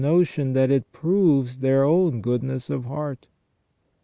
the notion that it proves their own goodness of heart.